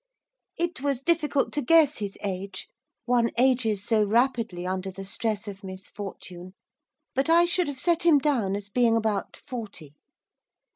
It was difficult to guess his age, one ages so rapidly under the stress of misfortune, but I should have set him down as being about forty.